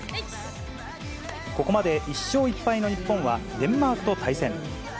ここまで１勝１敗の日本は、デンマークと対戦。